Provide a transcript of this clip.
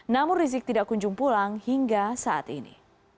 namun rizik tidak kunjung pulang hingga saat ini